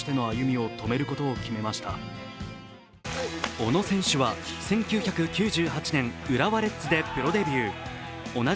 小野選手は１９９８年、浦和レッズでプロデビュー。